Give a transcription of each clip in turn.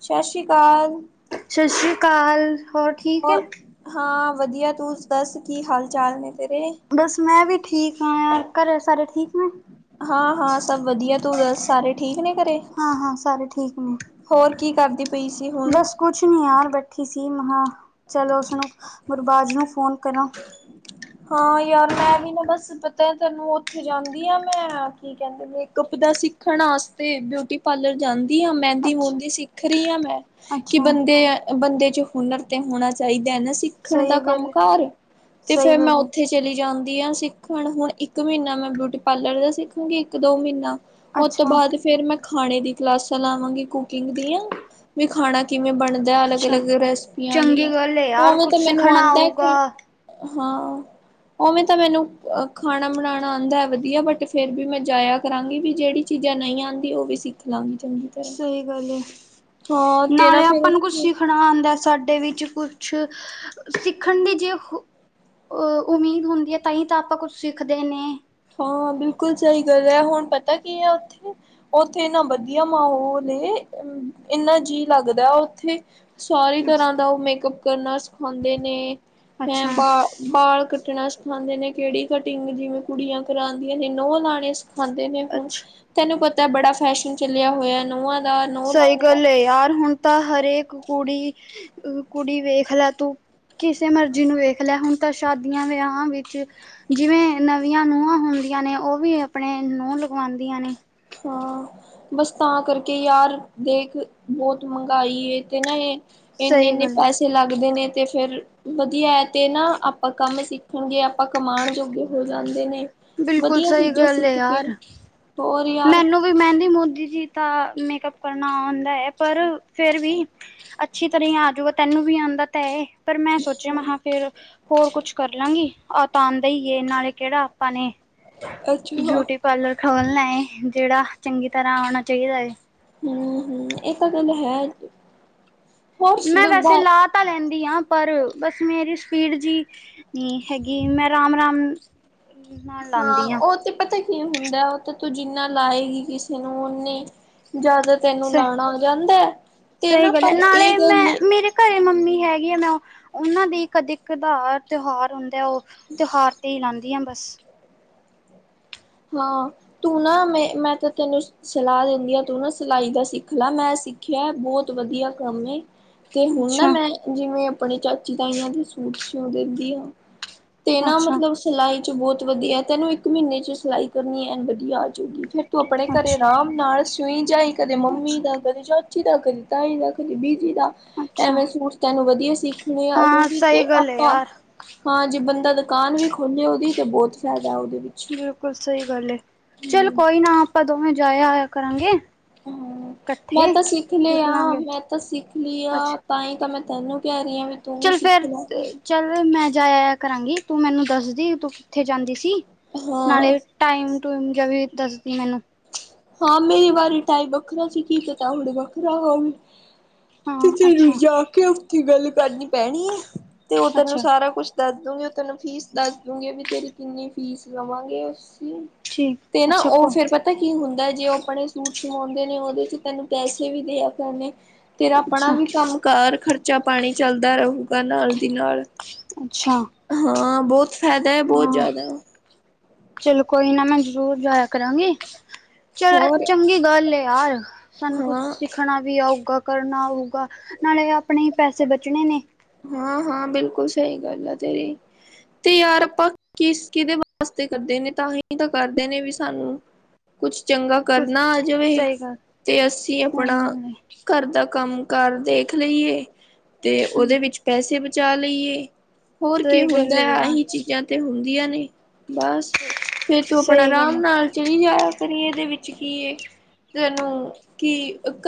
ਸਤਿ ਸ਼੍ਰੀ ਅਕਾਲ ਸਤਿ ਸ੍ਰੀ ਅਕਾਲ ਹੋਰ ਠੀਕ ਹੈ ਹੋਰ ਹਾਂ ਵਧੀਆ ਤੂੰ ਦੱਸ ਕੀ ਹਾਲ ਚਾਲ ਨੇ ਤੇਰੇ ਬਸ ਮੈਂ ਵੀ ਠੀਕ ਹਾਂ ਯ ਘਰ ਸਾਰੇ ਠੀਕ ਨੇ ਹਾਂ ਹਾਂ ਸਭ ਵਧੀਆ ਤੂੰ ਦੱਸ ਸਾਰੇ ਠੀਕ ਨੇ ਘਰੇ ਹਾਂ ਹਾਂ ਸਾਰੇ ਠੀਕ ਨੇ ਹੋਰ ਕੀ ਕਰਦੀ ਪਈ ਸੀ ਹੁਣ ਬਸ ਕੁਛ ਨੀ ਯਾਰ ਬ ਠੀ ਸੀ ਮਾਂ ਚਲੋ ਉਸਨੂੰ ਗੁਰਬਾਜ਼ ਨੂੰ ਫੋਨ ਕਰਾਂ ਹਾਂ ਯਾਰ ਮੈਂ ਵੀ ਨਾ ਬਸ ਪਤਾ ਹੈ ਤੈਨੂੰ ਉੱਥੇ ਜਾਂਦੀ ਆ ਮੈਂ ਕੀ ਕਹਿੰਦੇ ਮੇਕਅੱਪ ਦਾ ਸਿੱਖਣ ਵਾਸਤੇ ਬਿਊਟੀ ਪਾਰਲਰ ਜਾਂਦੀ ਆ ਮਹਿੰਦੀ ਮੁੰਦੀ ਸਿੱਖ ਰਹੀ ਹਾਂ ਮੈਂ ਕਿ ਅੱਛਾ-ਅੱਛਾ ਬੰਦੇ ਬੰਦੇ ਚ ਹੁਨਰ ਤੇ ਹੋਣਾ ਚਾਹੀਦਾ ਹੈ ਨਾ ਸਿੱਖਣ ਸਹੀ ਦਾ ਕੰਮ ਗੱਲ ਕਾਰ ਤੇ ਸਹੀ ਫੇਰ ਮੈਂ ਗੱਲ ਹੈ ਉੱਥੇ ਚਲੀ ਜਾਂਦੀ ਆ ਸਿੱਖਣ ਹੁਣ ਇੱਕ ਮਹੀਨਾ ਮੈਂ ਬਿਊਟੀ ਪਾਰਲਰ ਦਾ ਸਿੱਖਾਂਗੀ ਇੱਕ ਦੋ ਮਹੀਨਾ ਉਹ ਤੋਂ ਬਾਅਦ ਅੱਛਾ-ਅੱਛਾ ਫੇਰ ਮੈਂ ਖਾਣੇ ਦੀ ਕਲਾਸਾਂ ਲਾਵਾਂਗੀ ਕੁਕਿੰਗ ਦੀਆਂ ਵੀ ਖਾਣਾ ਕਿਵੇਂ ਬਣਦਾ ਅਲੱਗ ਅਲੱਗ ਰੈਸਪੀਆਂ ਚੰਗੀ ਦੀਆਂ ਗੱਲ ਹੈ ਯਾਰ ਉਹਵੇਂ ਕੁਛ ਤਾਂ ਮੈਨੂੰ ਸਿੱਖਣਾ ਆਉਂਦਾ ਹੈ ਆਊਗਾ ਖਾ ਹਾਂ ਉਵੇਂ ਤਾਂ ਮੈਨੂੰ ਖਾਣਾ ਬਣਾਉਣਾ ਆਉਂਦਾ ਵਧੀਆ ਬਟ ਫੇਰ ਵੀ ਮੈਂ ਜਾਇਆ ਕਰਾਂਗੀ ਵੀ ਜਿਹੜੀ ਚੀਜ਼ਾਂ ਨਹੀਂ ਆਉਂਦੀਆਂ ਉਹ ਵੀ ਸਿੱਖ ਲਾਂਗੀ ਚੰਗੀ ਤਰ੍ਹਾਂ ਸਹੀ ਗੱਲ ਹੈ ਹਾਂ ਤੇ ਨਾ ਨਾਲੇ ਫੇਰ ਆਪਾਂ ਨੂੰ ਕੁਛ ਉੱਥੇ ਸਿੱਖਣਾ ਆਉਂਦਾ ਸਾਡੇ ਵਿੱਚ ਕੁਛ ਸਿੱਖਣ ਦੀ ਜੇ ਅ ਉਮੀਦ ਹੁੰਦੀ ਹੈ ਤਾਂ ਹੀ ਤਾਂ ਆਪਾਂ ਕੁਛ ਸਿੱਖਦੇ ਨੇ ਹਾਂ ਬਿਲਕੁਲ ਸਹੀ ਗੱਲ ਹੈ ਹੁਣ ਪਤਾ ਕੀ ਆ ਉੱਥੇ ਉੱਥੇ ਇਨਾ ਵਧੀਆ ਮਾਹੌਲ ਇਨਾ ਜੀਅ ਲੱਗਦਾ ਉੱਥੇ ਸਾਰੀ ਅੱਛਾ ਤਰ੍ਹਾਂ ਦਾ ਉਹ ਮੇਕਅਪ ਕਰਨਾ ਸਿਖਾਉਂਦੇ ਨੇ ਹੈਂ ਅੱਛਾ ਬਾ ਬਾਲ ਕੱਟਣਾ ਸਿਖਾਉਂਦੇ ਨੇ ਕਿਹੜੀ ਕਟਿੰਗ ਜਿਵੇਂ ਕੁੜੀਆਂ ਕਰਾਉਂਦੀਆਂ ਨੇ ਨੋਹ ਲਾਣੇ ਖਾਂਦੇ ਨੇ ਹੁਣ ਅੱਛਾ ਤੈਨੂੰ ਪਤਾ ਬੜਾ ਫੈਸ਼ਨ ਚਲਿਆ ਹੋਇਆ ਨਾਂ ਸਹੀ ਗੱਲ ਹੈ ਯਾਰ ਹੁਣ ਤਾਂ ਹਰੇਕ ਕੁੜੀ ਕੁੜੀ ਵੇਖ ਲੈ ਤੂੰ ਕਿਸੇ ਮਰਜ਼ੀ ਨੂੰ ਵੇਖ ਲੈ ਹੁਣ ਤਾਂ ਸ਼ਾਦੀਆਂ ਵਿਆਹਾਂ ਵਿੱਚ ਜਿਵੇਂ ਨਵੀਆਂ ਨੂੰਹਾਂ ਹੁੰਦੀਆਂ ਨੇ ਉਹ ਵੀ ਆਪਣੇ ਨੂੰਹ ਲਗਵਾਉਂਦੀਆਂ ਨੇ ਹਾਂ ਬਸ ਤਾਂ ਕਰਕੇ ਯਾਰ ਦੇਖ ਬਹੁਤ ਮੰਗਾਈ ਤੇ ਨਾ ਇਹ ਇੰਨੇ ਸਹੀ ਇੰਨੇ ਗੱਲ ਹੈ ਪੈਸੇ ਲੱਗਦੇ ਨੇ ਤੇ ਫਿਰ ਵਧੀਆ ਹੈ ਤੇ ਨਾ ਆਪਾਂ ਕੰਮ ਸਿੱਖਣਗੇ ਆਪਾਂ ਕਮਾਉਣ ਜੋਗੇ ਹੋ ਜਾਂਦੇ ਨੇ ਬਿਲਕੁਲ ਵਧੀਆ ਸਹੀ ਚੀਜ਼ਾਂ ਗੱਲ ਹੈ ਸਿੱਖ ਕੇ ਯਾਰ ਹੋਰ ਯਾਰ ਮੈਨੂੰ ਵੀ ਮਹਿੰਦੀ ਮੁੰਦੀ ਜੀ ਦਾ ਮੇਕਅਪ ਕਰਨਾ ਆਉਂਦਾ ਹੈ ਪਰ ਫੇਰ ਵੀ ਅੱਛੀ ਤਰ੍ਹਾਂ ਹੀ ਆਜੂਗਾ ਤੈਨੂੰ ਵੀ ਆਉਂਦਾ ਤਾਂ ਪਰ ਮੈਂ ਸੋਚਿਆ ਫਿਰ ਹੋਰ ਕੁਛ ਕਰ ਲਾਂਗੀ ਤਾਂ ਦੇ ਹੀਏ ਨਾਲੇ ਕਿਹੜਾ ਆਪਾਂ ਨੇ ਅੱਛਾ ਹਮ ਬਿਊਟੀ ਪਾਲਰ ਖੋਲਣਾ ਹੈ ਜਿਹੜਾ ਚੰਗੀ ਤਰ੍ਹਾਂ ਆਉਣਾ ਚਾਹੀਦਾ ਹੈ ਹਮ ਹਮ ਇਹ ਤਾਂ ਗੱਲ ਹੈ ਹੋਰ ਮੈਂ ਵੈਸੇ ਲਾਤ ਤਾਂ ਲੈਂਦੀ ਹਾਂ ਪਰ ਬਸ ਮੇਰੀ ਸਪੀਡ ਜਿਹੀ ਨਹੀਂ ਹੈਗੀ ਮੈਂ ਰਮ ਰਾਮ ਹਾਂ ਉਹ ਤੇ ਪਤਾ ਕੀ ਹੁੰਦਾ ਉਹ ਤਾਂ ਤੂੰ ਜਿੰਨਾ ਲਾਏਗੀ ਕਿਸੇ ਨੂੰ ਓਨੀ ਜ਼ਿਆਦਾ ਤੈਨੂੰ ਸ ਲਾਉਣਾ ਹੋ ਜਾਂਦਾ ਹੈ ਤੇ ਸਹੀ ਨਾ ਗੱਲ ਹੈ ਪਰ ਇਹ ਨਾਲੇ ਗੱਲ ਮੈਂ ਮੇਰੇ ਘਰੇ ਮੰਮੀ ਹੈਗੀ ਆ ਮੈਂ ਉਹਨਾਂ ਦੀ ਕਦੇ ਕਦਾ ਤਿਉਹਾਰ ਤੇ ਉਹ ਤਿਉਹਾਰ ਤੇ ਹੀ ਲਾਂਂਦੀਆਂ ਬਸ ਹਾਂ ਤੂੰ ਨਾ ਮੈਂ ਮੈਂ ਤਾਂ ਤੈਨੂੰ ਸਲਾਹ ਦਿੰਦੀ ਆ ਤੂੰ ਨਾ ਸਿਲਾਈ ਦਾ ਸਿੱਖ ਲੈ ਮੈਂ ਸਿੱਖਿਆ ਬਹੁਤ ਵਧੀਆ ਕੰਮ ਹੈ ਤੇ ਹੁਣ ਨਾ ਅੱਛਾ, ਮੈਂ ਜਿਵੇਂ ਆਪਣੇ ਚਾਚੀ ਤਾਈਆਂ ਦੇ ਸੂਟ ਸਿਉਂ ਦਿੰਦੀ ਹਾਂ ਤੇ ਨਾ ਅੱਛਾ, ਮਤਲਬ ਸਿਲਾਈ ਚ ਬਹੁਤ ਵਧੀਆ ਤੈਨੂੰ ਇੱਕ ਮਹੀਨੇ ਚ ਸਿਲਾਈ ਕਰਨੀ ਐ ਵਧੀਆ ਆਜੂਗੀ ਫਿਰ ਤੂੰ ਆਪਣੇ ਘਰੇ ਅੱਛਾ, ਆਰਾਮ ਨਾਲ ਸੂਈ ਜਾਈ ਕਦੇ ਮੰਮੀ ਅੱਛਾ, ਦਾ ਕਦੇ ਪੱਚੀ ਦਾ ਕਦੀ ਤਾਈ ਦਾ ਕਦੀ ਬੀਜੀ ਦਾ ਅੱਛਾ। ਐਵੇਂ ਸੂਟ ਤੈਨੂੰ ਵਧੀਆ ਸੀ ਣੇ ਹਾਂ ਆਜੂਗੀ ਸਹੀ ਤੇ ਗੱਲ ਹੈ ਆਪਾਂ ਯਾਰ ਹਾਂ ਜੇ ਬੰਦਾ ਦੁਕਾਨ ਵੀ ਖੋਲੇ ਉਹਦੀ ਤੇ ਬਹੁਤ ਫਾਇਦਾ ਉਹਦੇ ਵਿੱਚ ਬਿਲਕੁਲ ਸਹੀ ਗੱਲ ਚੱਲ ਹੂੰ ਕੋਈ ਨਾ ਆਪਾਂ ਦੋਵੇਂ ਜਾਇਆ ਆਇਆ ਕਰਾਂਗੇ ਹੂ ਮੈਂ ਇਕੱਠੇ ਤਾਂ ਸਿੱਖ ਲ ਹ ਲਾਂਗੇ ਮੈਂ ਤਾਂ ਸਿੱਖ ਲ ਆ ਅੱਛਾ ਤਾਂ ਹੀ ਤਾਂ ਮੈਂ ਤੈਨੂੰ ਕਹਿ ਰਹੀ ਹਾਂ ਵੀ ਤੂੰ ਵੀ ਚੱਲ ਸਿੱਖ ਫਿਰ ਲੈ ਚੱਲ ਮੈਂ ਜਾਇਆ ਕਰਾਂਗੀ ਤੂੰ ਮੈਨੂੰ ਦੱਸਦੀ ਤੂੰ ਕਿੱਥੇ ਜਾਂਦੀ ਸੀ ਹਾਂ ਨਾਲੇ ਟਾਈਮ ਟੂਮ ਜ ਵੀ ਦੱਸਦੀ ਮੈਨੂੰ ਹਾਂ ਮੇਰੀ ਵਾਰੀ ਟਾਈ ਵੱਖਰਾ ਸੀ ਕੀ ਪਤਾ ਹੁਣ ਵੱਖਰਾ ਹੋ ਵੀ ਤੇ ਹਾਂ ਤੈਨੂੰ ਅੱਛਾ ਜਾ ਕੇ ਉਸਦੀ ਗੱਲ ਕਰਨੀ ਪੈਣੀ ਹੈ ਤੇ ਉਹ ਤੈਨੂੰ ਅੱਛਾ ਸਾਰਾ ਕੁਛ ਦੱਸ ਦੂੰਗੇ ਉਹ ਤੈਨੂੰ ਫੀਸ ਦੱਸ ਦੂੰਗੇ ਵੀ ਤੇਰੀ ਕਿੰਨੀ ਫੀਸ ਲਵਾਂਗੇ ਉਸ ਦੀ ਠੀਕ ਤੇ ਨਾ ਅੱਛਾ ਉਹ ਕੋ ਫਿਰ ਪਤਾ ਕੀ ਹੁੰਦਾ ਜੇ ਉਹ ਆਪਣੇ ਸੂਟ ਸਵਾਉਂਦੇ ਨੇ ਉਹਦੇ ਚ ਤੈਨੂੰ ਪੈਸੇ ਵੀ ਦੇਆ ਕਰਨ ਨੇ ਤੇਰਾ ਆਪਣਾ ਅੱਛਾ ਵੀ ਕੰਮ ਕਾਰ ਖ਼ਰਚਾ ਪਾਣੀ ਚੱਲਦਾ ਰਹੇਗਾ ਨਾਲ ਦੀ ਨਾਲ ਅੱਛਾ ਹਾਂ ਬਹੁਤ ਫ਼ਾਇਦਾ ਹੈ ਬਹੁਤ ਹਾਂ ਜ਼ਿਆਦਾ ਚਲੋ ਕੋਈ ਨਾ ਮੈਂ ਜ਼ਰੂਰ ਜਾਇਆ ਕਰਾਂਗੀ ਚਲ ਹੋਰ ਚੰਗੀ ਗੱਲ ਹੈ ਯਾਰ ਸਾਨੂੰ ਕੁਛ ਹਾਂ ਸਿੱਖਣਾ ਵੀ ਆਊਗਾ ਕਰਨਾ ਆਊਗਾ ਨਾਲੇ ਆਪਣੇ ਹੀ ਪੈਸੇ ਬਚਣੇ ਨੇ ਹਾਂ ਹਾਂ ਬਿਲਕੁਲ ਸਹੀ ਗੱਲ ਆ ਤੇਰੀ ਤੇ ਯਾਰ ਆਪਾਂ ਕਿਸ ਕਿਹਦੇ ਵਾਸਤੇ ਕਰਦੇ ਨੇ ਤਾਂ ਹੀ ਤਾਂ ਕਰਦੇ ਨੇ ਵੀ ਸਾਨੂੰ ਕੁਛ ਚੰਗਾ ਕੁਛ ਕਰਨਾ ਆ ਜਾਵੇ ਸਹੀ ਗੱਲ ਤੇ ਅਸੀਂ ਆਪਣਾ ਸਹੀ ਗੱਲ ਹੈ ਘਰ ਦਾ ਕੰਮ ਘਰ ਦੇਖ ਲਈਏ ਤੇ ਹਮ ਉਹਦੇ ਵਿੱਚ ਪੈਸੇ ਬਚਾ ਲਈਏ ਹੋਰ ਕੀ ਸਹੀ ਗੱਲ ਹੁੰਦਾ ਹੈ ਯਾਰ ਆਹੀ ਚੀਜ਼ਾਂ ਤੇ ਹੁੰਦੀਆਂ ਨੇ ਬਸ ਫਿਰ ਤੂੰ ਆਪਣਾ ਸਹੀ ਗੱਲ ਆਰਾਮ ਹੈ। ਨਾਲ ਚਲੀ ਜਾਇਆ ਪਰ ਇਹਦੇ ਵਿੱਚ ਕੀ ਇਹ ਤੈਨੂੰ ਕਿ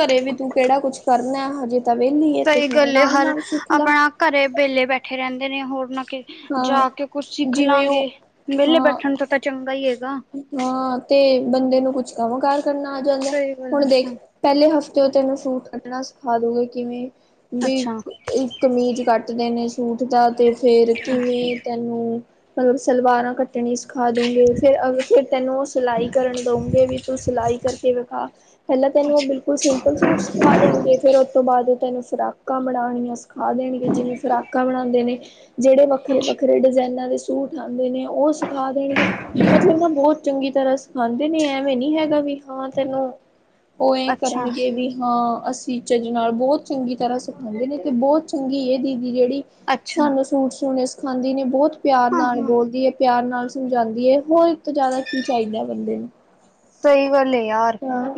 ਘਰੇ ਵੀ ਤੂੰ ਕਿਹੜਾ ਕੁਛ ਕਰਨਾ ਹਜੇ ਤਵੇ ਨਹੀਂ ਹੈ ਸਹੀ ਫਿਰ ਗੱਲ ਏ ਰਾਮ ਹਰ ਰਾਮ ਸਿੱਖ ਲਾ ਆਪਣਾ ਘਰੇ ਵੇਲੇ ਬੈਠੇ ਰਹਿੰਦੇ ਨੇ ਹੋਰ ਨਾ ਕਿ ਹਾਂ ਜਾ ਕੇ ਕੁਝ ਸਿੱਖ ਜਿਵੇਂ ਲਾਂਗੇ ਉਹ ਵਿਰਲੇ ਹਾਂ ਬੈਠਣ ਤੋਂ ਤਾਂ ਚੰਗਾ ਹੀ ਹੈਗਾ ਹਾਂ ਤੇ ਬੰਦੇ ਨੂੰ ਕੁਛ ਕੰਮ ਕਾਰ ਕਰਨਾ ਆ ਜਾਂਦਾ ਸਹੀ ਗੱਲ ਹੁਣ ਹੈ ਹਾਂ ਦੇਖ ਪਹਿਲੇ ਹਫ਼ਤੇ ਤੋਂ ਤੈਨੂੰ ਸੂਟ ਕੱਢਣਾ ਸਿਖਾ ਦੋਗੇ ਕਿਵੇਂ ਵੀ ਅੱਛਾ ਕਮੀਜ਼ ਕੱਟਦੇ ਨੇ ਸੂਟ ਦਾ ਤੇ ਫਿਰ ਕਿਵੇਂ? ਹੂ ਸਲਵਾਰਾਂ ਕੱਟਣੀ ਸਿਖਾ ਦੋਗੇ। ਫਿਰ ਅਗ ਫਿਰ ਤੈਨੂੰ ਉਹ ਸਿਲਾਈ ਕਰਨ ਦਊਗੇ ਵੀ ਤੂੰ ਸਿਲਾਈ ਕਰਕੇ ਵਿਖਾ। ਪਹਿਲਾਂ ਤੈਨੂੰ ਉਹ ਅੱਛਾ ਬਿਲਕੁਲ ਸਿੰਪਲ ਸੂਟ ਸਿਖਾ ਦੇਣਗੇ ਫੇਰ ਉਹ ਤੋਂ ਬਾਅਦ ਉਹ ਤੈਨੂੰ ਫੁਰਾਕਾਂ ਬਣਾਉਣੀਆਂ। ਖਾ ਦੇਣਗੇ ਜਿਵੇਂ ਫੁਰਾਕਾਂ ਬਣਾਉਂਦੇ ਨੇ ਜਿਹੜੇ ਵੱਖਰੇ ਅੱਛਾ -ਵੱਖਰੇ ਡਿਜ਼ਾਇਨਾਂ ਦੇ ਸੂ ਸੂਟ ਲਾਂਦੇ ਨੇ ਉਹ ਸਿਖਾ ਦੇਣਗੇ। ਮਤਲਬ ਨਾ ਬਹੁਤ ਚੰਗੀ ਤਰ੍ਹਾਂ ਸਿਖਾਉਂਦੇ ਨੇ, ਐਵੇਂ ਨੀ ਹੈਗਾ ਵੀ ਹਾਂ ਤੈਨੂੰ, ਉਹ ਇਹ ਅੱਛਾ ਕਰਨਗੇ ਵੀ ਹਾਂ ਅਸੀਂ ਚੱਜ ਨਾਲ ਬਹੁਤ ਚੰਗੀ ਤਰ੍ਹਾਂ ਸਿਖਾਉਂਦੇ ਨੇ। ਤੇ ਬਹੁਤ, ਚੰਗੀ ਇਹ ਦੀਦੀ ਜਿਹੜੀ ਸਾਨੂੰ ਸੂਟ ਸਿੳਣੇ ਸਿਖਾਂਦੀ ਨੇ ਬਹੁਤ ਪਿਆਰ ਹਾਂ ਨਾਲ ਹਾਂ ਬੋਲਦੀ ਏ। ਪਿਆਰ ਨਾਲ ਸਮਝਾਉਂਦੀ ਏ ਹੋਰ। ਤੋਂ ਜ਼ਿਆਦਾ ਕੀ ਚਾਹੀਦਾ ਬੰਦੇ ਨੂੰ ਹਾਂ।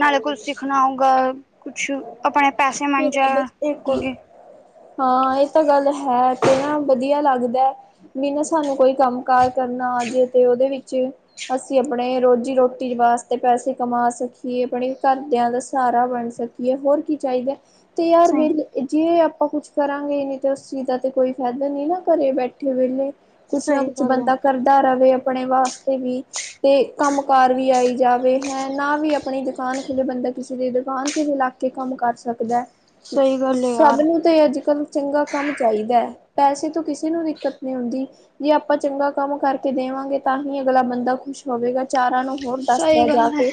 ਖਣਾ ਹੋਊਗਾ ਕੁਛ ਆਪਣੇ ਪੈਸੇ ਮੰਣ ਮੇਰਾ ਜਾ ਬਸ ਇਹ ਕੋਲ ਅਗੇ। ਹਾਂ ਇਹ ਤਾਂ ਗੱਲ ਹੈ ਕਹਿਣਾ ਵਧੀਆ ਲੱਗਦਾ।। ਵੀ ਨਾ ਸਾਨੂੰ ਕੋਈ ਕੰਮ ਕਾਰ ਕਰਨਾ ਆ ਜਾਵੇ ਤੇ ਉਹਦੇ ਵਿੱਚ। ਅਸੀਂ ਆਪਣੇ ਰੋਜ਼ੀ ਰੋਟੀ ਵਾਸਤੇ ਪੈਸੇ ਕਮਾ ਸਕੀਏ ਆਪਣੇ ਘਰਦਿਆਂ ਦਾ ਸਹਾਰਾ ਬਣ ਸਕੀਏ ਹੋਰ ਕੀ ਚਾਹੀਦਾ ਅਤੇ ਯਾਰ ਸਹੀ ਵਿਗ ਜੇ ਆਪਾਂ ਕੁਛ ਕਰਾਂਗੇ ਨਹੀਂ ਤਾਂ ਉਸ ਚੀਜ਼ ਦਾ ਤਾਂ ਕੋਈ ਫਾਇਦਾ ਨਹੀਂ ਨਾ ਘਰ ਬੈਠੇ ਵੇਲੇ ਕੁਛ ਨਾ ਸਹੀ ਕੁਛ ਗੱਲ ਹੈ ਬੰਦਾ ਕਰਦਾ ਰਹੇ ਆਪਣੇ ਵਾਸਤੇ ਵੀ ਤੇ ਕੰਮ ਕਾਰ ਵੀ ਆਈ ਜਾਵੇ ਹੈ ਨਾ ਵੀ ਆਪਣੀ ਦੁਕਾਨ ਖੁੱਲੇ ਬੰਦਾ ਕਿਸੇ ਦੀ ਦੁਕਾਨ ਮਿਲਾਕੇ ਕੰਮ ਕਰ ਸਕਦਾ ਹੈ ਸਹੀ ਗੱਲ ਹੈ ਸਭ ਯਾਰ ਨੂੰ ਤੇ ਅੱਜ ਕੱਲ੍ਹ ਚੰਗਾ ਕੰਮ ਚਾਹੀਦਾ ਹੈ ਪੈਸੇ ਤੋਂ ਕਿਸੇ ਨੂੰ ਦਿੱਕਤ ਨਹੀਂ ਹੁੰਦੀ। ਜੇ ਆਪਾਂ ਚੰਗਾ ਕੰਮ ਕਰਕੇ ਦੇਵਾਂਗੇ ਤਾਂ ਹੀ ਅਗਲਾ ਬੰਦਾ ਖੁਸ਼ ਹੋਵੇਗਾ ਚਾਰਾਂ ਨੂੰ ਹੋਰ ਸਹੀ ਦੱਸਦਾ ਜਾ ਗੱਲ ਕੇ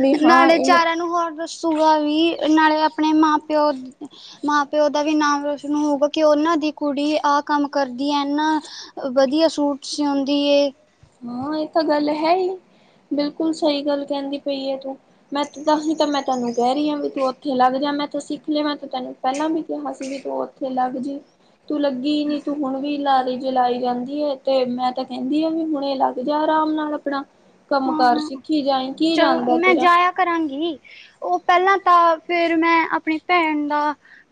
ਵੀ ਏ ਹਾਂ ਨਾਲੇ ਇਹਨੇ ਚਾਰਾ ਨੂੰ ਹੋਰ ਦੱਸੋ। ਭੂਆ ਵੀ ਨਾਲੇ ਆਪਣੇ ਮਾਂ- ਪਿਓ ਮਾਂ -ਪਿਓ ਦਾ ਵੀ ਨਾਮ ਰੋਸ਼ਨ ਹੋਊਗਾ ਕਿ ਉਹਨਾਂ ਦੀ ਕੁੜੀ ਆਹ ਕੰਮ ਕਰਦੀ ਹੈ ਏਨਾ। ਵਧੀਆ ਸੂਟ ਸਿਉਂਦੀ ਏ। ਹਾਂ ਇਹ ਤਾਂ ਗੱਲ ਹੈ ਹੀ ਬਿਲਕੁਲ ਸਹੀ ਗੱਲ ਕਹਿੰਦੀ ਪਈ ਏ ਤੂੰ। ਮੈਂ ਤ ਤਾਂਹੀ ਤਾਂ ਮੈਂ ਤੈਨੂੰ ਕਹਿ ਰਹੀ ਹਾਂ ਵੀ ਤੂੰ ਉੱਥੇ ਲੱਗ ਜਾ ਮੈਂ ਤ ਸਿੱਖ ਲਿਆ ਮੈ ਤ ਤੈਨੂੰ ਪਹਿਲਾਂ ਵੀ ਕਿਹਾ ਸੀ ਵੀ ਤੂੰ ਉੱਥੇ ਲੱਗ ਜੀ। ਤੂੰ ਲੱਗੀ ਹੀ ਨੀ ਤੂੰ ਹੁਣ ਵੀ ਲਾਰੇ ਦੇ ਲਈ ਜ ਲਈ ਜਾਂਦੀ ਹੈ ਤੇ ਮੈਂ ਤਾਂ ਕਹਿੰਦੀ ਆ ਵੀ ਹੁਣ ਲੱਗ ਜਾ ਆਰਾਮ ਨਾਲ ਆਪਣਾ ਕੰਮ ਹਾਂ ਕਾਰ ਹਾਂ ਸਿੱਖੀ ਜਾਈਂ। ਚਲੋ ਮੈਂ ਜਾਇਆ ਕਰਾਂਗੀ। ਉਹ ਪਹਿਲਾਂ ਤਾਂ ਫਿਰ ਮੈਂ ਆਪਣੀ ਭੈਣ ਦਾ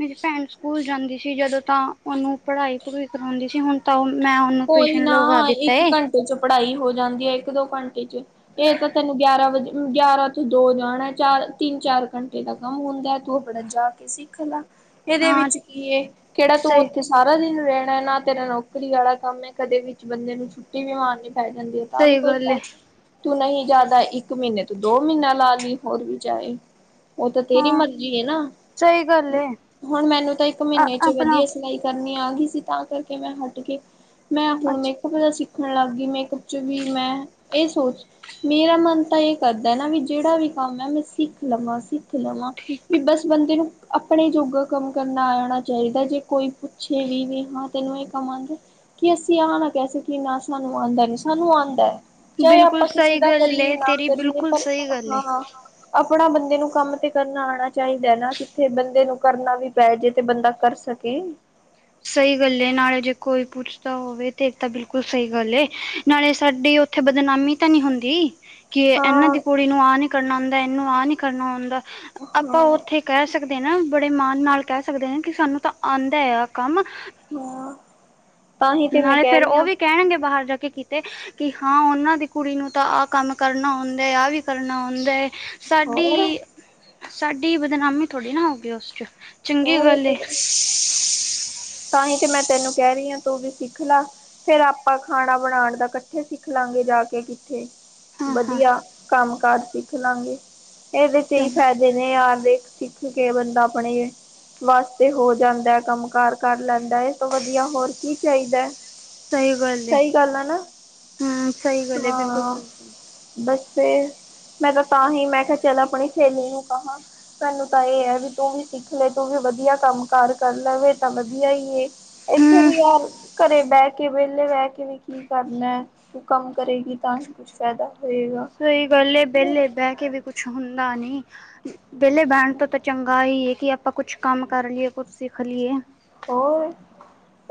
ਮੇਰੀ ਭੈਣ ਸਕੂਲ ਜਾਂਦੀ ਸੀ ਜਦੋਂ ਤਾਂ ਉਹਨੂੰ ਪੜ੍ਹਾਈ ਪੂੜਈ ਕਰਾਉਂਦੀ ਸੀ ਹੁਣ ਤਾਂ ਮੈਂ ਉਹਨੂੰ ਕੋਈ ਟਿਊਸ਼ਨ ਨਾ ਲਗਵਾ ਦਿੱਤਾ ਇੱਕ ਏ। ਘੰਟੇ 'ਚ ਪੜ੍ਹਾਈ ਹੋ ਜਾਂਦੀ ਏ ਇੱਕ ਦੋ ਘੰਟੇ 'ਚ ਇਹ ਤਾਂ ਤੈਨੂੰ ਗਿਆਰਾਂ ਵਜੇ ਗਿਆਰਾਂ ਤੋਂ ਦੋ ਜਾਣਾ ਚਾਰ ਤਿੰਨ- ਚਾਰ ਘੰਟੇ ਤੱਕ ਹਾਂ ਹੁੰਦਾ ਤੂੰ ਆਪਣਾ ਜਾ ਕੇ ਸਿੱਖ ਲਾ। ਇਹਦੇ ਹਾਂ ਵਿੱਚ ਕੀ ਏ ਕਿਹੜਾ ਤੂੰ ਸਹੀ ਉੱਥੇ ਸਾਰਾ ਦਿਨ ਰਹਿਣਾ ਨਾ ਤੇਰਾ ਨੌਕਰੀ ਆਲਾ ਸਮੇ ਕਦੇ ਵਿੱਚ ਬੰਦੇ ਨੂੰ ਛੁੱਟੀ ਵੀ ਮਾਰਨੀ ਪੈ ਜਾਂਦੀ ਏ ਤਾਂ ਵੀ ਸਹੀ ਕੋਈ ਗੱਲ ਏ ਗਲ ਤੂੰ ਨਹੀਂ ਜ਼ਿਆਦਾ ਇੱਕ ਮਹੀਨੇ ਤੂੰ ਦੋ ਮਹੀਨਾ ਲਾ ਲਈ ਹੋਰ ਵੀ ਜਾਏ। ਉਹ ਤਾਂ ਤੇਰੀ ਹਾਂ ਮਰਜੀ ਏ ਨਾ ਸਹੀ ਗੱਲ ਏ ਹੁਣ ਮੈਨੂੰ ਤਾਂ ਇੱਕ ਮਹੀਨੇ 'ਚ ਆਪਣਾ ਵਧੀਆ ਸਿਲਾਈ ਕਰਨੀ ਆ ਗਈ ਸੀ ਤਾਂ ਕਰਕੇ ਮੈਂ ਹਟ ਗਈ। ਮੈਂ ਹੁਣ ਅੱਛਾ ਮੇਕਅੱਪ ਦਾ ਸਿੱਖਣ ਲੱਗ ਗਈ ਮੇਕਅੱਪ 'ਚ ਵੀ ਮੈਂ ਇਹ ਸੋਚ ਮੇਰਾ ਮਨ ਤਾਂ ਇਹ ਕਰਦਾ ਨਾ ਵੀ ਜਿਹੜਾ ਵੀ ਕੰਮ ਏ ਮੈਂ ਸਿੱਖ ਲਵਾਂ ਸਿੱ ਸਿੱਖ ਲਵਾਂ ਠੀਕ ਵੀ ਬੱਸ ਬੰਦੇ ਨੂੰ ਆਪਣੇ ਜੋਗਾ ਕੰਮ ਕਰਨਾ ਆਣਾ ਚਾਹੀਦਾ ਜੇ ਕੋਈ ਪੁੱਛੇ ਵੀ ਨਹੀਂ ਹਾਂ ਤੈਨੂੰ ਇਹ ਕੰਮ ਆਂਦਾ। ਕਿ ਅਸੀਂ ਆ ਨਾ ਕਹਿ ਸਕੀਏ ਕਿ ਸਾਨੂੰ ਆਉਂਦਾ ਨਹੀਂ ਸਾਨੂੰ ਆਉਂਦਾ। ਚਾਹੇ ਬਿਲਕੁਲ ਆਪਾਂ ਕਿਸੇ ਸਹੀ ਦਾ ਗੱਲ ਕਰੀਏ ਏ ਨਾ ਤੇਰੀ ਕਰੀਏ ਬਿਲਕੁਲ ਪਰ ਸਹੀ ਗੱਲ ਏ। ਹਾਂ। ਆਪਣਾ ਬੰਦੇ ਨੂੰ ਕੰਮ ਤੇ ਕਰਨਾ ਆਉਣਾ ਚਾਹੀਦਾ ਨਾ ਕਿੱਥੇ ਬੰਦੇ ਨੂੰ ਕਰਨਾ ਵੀ ਪੈ ਜੇ ਤੇ ਬੰਦਾ ਕਰ ਸਕੇ। ਸਹੀ ਗੱਲ ਨਾਲੇ ਜੇ ਕੋਈ ਪੁੱਛਦਾ ਹੋਵੇ ਤੇ ਤਾਂ ਬਿਲਕੁਲ ਸਹੀ ਗੱਲ ਏ। ਨਾਲੇ ਸਾਡੀ ਉੱਥੇ ਬਦਨਾਮੀ ਤਾਂ ਨਹੀਂ ਹੁੰਦੀ। ਕਿ ਇਹਨਾਂ ਹਾਂ ਦੀ ਕੁੜੀ ਨੂੰ ਆਹ ਨੀ ਕਰਨਾ ਆਉਂਦਾ ਇਹਨੂੰ ਆਹ ਨੀ ਕਰਨਾ ਆਉਂਦਾ ਆਪਾਂ ਹਾਂ ਉੱਥੇ ਕਹਿ ਸਕਦੇ ਨਾ ਬੜੇ ਮਾਣ ਨਾਲ ਕਹਿ ਸਕਦੇ ਨੇ ਕਿ ਸਾਨੂੰ ਤਾਂ ਆਉਂਦਾ ਹੈ ਆ ਕੰਮ ਹਾਂ ਤਾਂ ਹੀ ਤੇ ਮੈਂ ਨਾਲੇ ਕਹਿ ਫੇਰ ਰਹੀ ਉਹ ਹਾਂ ਵੀ ਕਹਿਣਗੇ ਬਾਹਰ ਜਾ ਕੇ ਕੀਤੇ। ਕਿ ਹਾਂ ਉਹਨਾਂ ਦੀ ਕੁੜੀ ਨੂੰ ਤਾਂ ਆਹ ਕੰਮ ਕਰਨਾ ਆਉਂਦਾ ਹੈ ਆਹ ਵੀ ਕਰਨਾ ਆਉਂਦਾ ਹੈ। ਹੋਰ ਸਾਡੀ -ਸਾਡੀ ਬਦਨਾਮੀ ਥੋੜ੍ਹੀ ਨਾ ਹੋ ਗਈ ਉਸ 'ਚ ਚੰਗੀ ਗੱਲ ਏ। [inaudible] [inaudible] ਤਾਂਹੀ ਤੇ ਮੈਂ ਤੈਨੂੰ ਕਹਿ ਰਹੀ ਹਾਂ ਤੂੰ ਵੀ ਸਿੱਖ ਲਾ ਫੇਰ ਆਪਾਂ ਖਾਣਾ ਬਣਾਉਣ ਦਾ ਇਕੱਠੇ ਸਿੱਖ ਲਾਂਗੇ ਜਾ ਕੇ ਕਿੱਥੇ। ਹਾਂ ਹਾਂ ਵਧੀਆ ਕੰਮ ਕਾਰ ਸਿੱਖ ਲਾਂਗੇ, ਇਹਦੇ 'ਚ ਏਈ ਸਹੀ ਫਾਇਦਾ ਜਿਵੇਂ ਆਪਦੇ ਦੇ ਸਿੱਖ ਕੇ ਬੰਦਾ ਅਪਨੇ ਵਾਸਤੇ ਹੋ ਜਾਂਦਾ ਐ ਕੰਮ ਕਾਰ। ਕਰ ਲੈਂਦਾ ਏ ਤੇ ਵਧੀਆ ਹੋਰ ਕੀ ਚਾਹੀਦਾ ਐ। ਸਹੀ ਗੱਲ ਏ, ਹੂੰ, ਸਹੀ ਗੱਲ ਏ, ਹਾਂ ਬਿਲਕੁਲ-ਬਿਲਕੁਲ। ਬਸ ਫੇਰ, ਮੈਂ ਤਾਂ ਤਾਂਹੀ ਮੈਂ ਕਿਹਾ ਚਲ ਅਪਣੀ ਸਹੇਲੀ ਨੂੰ ਕਹਾਂ। ਸਾਨੂੰ ਤਾਂ ਇਹ ਹੈ ਵੀ ਤੂੰ ਵੀ ਸਿੱਖ ਲੈ, ਤੂੰ ਵੀ ਵਧੀਆ ਕੰਮ ਕਾਰ ਕਰ ਲਵੇ ਤਾਂ ਵਧੀਆ ਈ ਏ। ਇੱਥੇ ਵੀ ਯਾਰ, ਘਰੇ ਬਹਿ ਕੇ, ਵੇਲੇ ਬਹਿ ਕੇ ਵੀ ਕੀ ਕਰਨਾ ਐ? ਤੂੰ ਕੰਮ ਕਰੇਗੀ ਤਾਂ ਹੀ ਕੁਛ ਫਾਇਦਾ ਹੋਏਗਾ। ਸਹੀ ਗੱਲ ਏ, ਵੇਲੇ ਬਹਿ ਕੇ ਵੀ ਕੁਛ ਹੁੰਦਾ ਨੀ। ਵੇਲੇ ਬੈਨ ਤੋਂ ਤਾਂ ਚੰਗਾ ਈ ਏ ਕਿ ਆਪਾਂ ਕੁਛ ਕੰਮ ਕਰ ਲਈਏ, ਕੁਛ ਸਿੱਖ ਲਈਏ। ਹੋਰ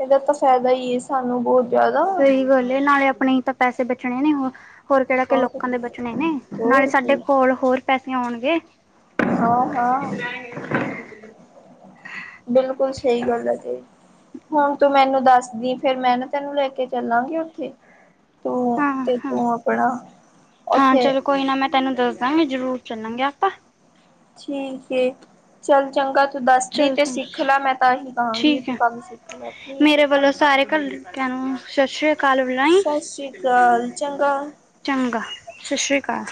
ਇਹਦਾ ਤਾਂ ਫਾਇਦਾ ਹੀ ਏ ਸਾਨੂੰ ਬੋਤ ਸਹੀ ਗੱਲ ਏ, ਨਾਲੇ ਆਪਣੇ ਈ ਤਾਂ ਪੈਸੇ ਬਚਣੇ ਨੇ ਉਹ ਹੋਰ ਕਿਹੜਾ ਕਿ ਲੋਕਾਂ ਦੇ ਬਚਨੇ ਨੇ, ਨਾਲੇ ਹੋਰ ਕੀ ਸਾਡੇ ਕੋਲ ਹੋਰ ਪੈਸੇ ਆਉਣਗੇ। ਹਾਂ-ਹਾਂ। ਬਿਲਕੁਲ ਸਹੀ ਗੱਲ ਐ ਤੇਰੀ, ਹੁਨ ਤੂੰ ਮੈਨੂੰ ਦੱਸਦੀ ਫੇਰ ਮੈਂ ਨਾ ਤੈਨੂੰ ਲੈ ਕੇ ਚੱਲਾਂਗੀ ਓਥੇ। ਤੂੰ ਹਾਂ ਤੇ ਹਾਂ ਤੂੰ ਆਪਣਾ ਹਾਂ ਓਥੇ ਚਲੋ ਕੋਈ ਨਾ ਮੈਂ ਤੈਨੂੰ ਦੱਸ ਦਾਂਗੀ, ਜ਼ਰੂਰ ਚੱਲਾਂਗੇ ਆਪਾਂ। ਠੀਕ ਏ, ਚੱਲ ਚੰਗਾ ਤੂੰ ਦੱਸਦੀ ਚੱਲ ਤੇ ਚਲ ਸਿੱਖ ਲੈ, ਮੈਂ ਤਾਂ ਇਹੀ ਕਹਾਂਗੀ ਵੀ ਠੀਕ ਤੂੰ ਹੈ ਕਮ ਸਿੱਖ ਲੈ ਠੀਕ ਹੈ ਚੱਲ [unintelligible] ਸਤ ਸ੍ਰੀ ਅਕਾਲ [unintelligible] ਸਤਿ ਸ਼੍ਰੀ ਅਕਾਲ ਚੰਗਾ ਚੰਗਾ, ਸਤਿ ਸ੍ਰੀ ਅਕਾਲ।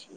ਠੀਕ